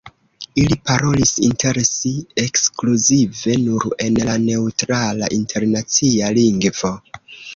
Ili parolis inter si ekskluzive nur en la neŭtrala internacia lingvo.